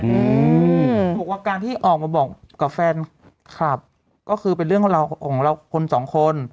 เขาบอกว่าการที่ออกมาบอกกับแฟนคลับก็คือเป็นเรื่องราวของเราคนสองคน